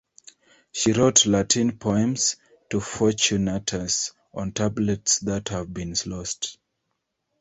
She wrote Latin poems to Fortunatus on tablets that have been lost.